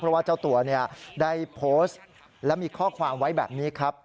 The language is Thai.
เพราะว่าเจ้าตัวได้โพสต์และมีข้อความไว้แบบนี้ครับ